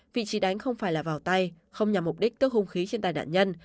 vị trí đánh không phải là vào tay không nhằm mục đích tước hung khí trên tay nạn nhân